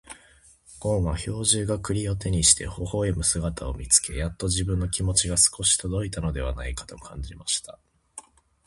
ごんは兵十が栗を手にして微笑む姿を見つけ、やっと自分の気持ちが少し届いたのではないかと感じました。